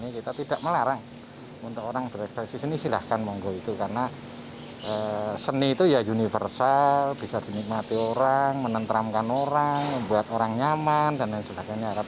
kita tidak melarang untuk orang berekspresi seni silahkan monggo itu karena seni itu ya universal bisa dinikmati orang menenteramkan orang membuat orang nyaman dan lain sebagainya